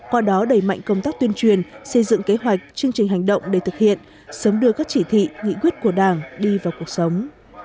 qua đó đẩy mạnh công tác tuyên truyền xây dựng kế hoạch chương trình hành động để thực hiện sớm đưa các chỉ thị nghị quyết của đảng đi vào cuộc sống